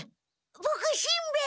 ボクしんべヱ。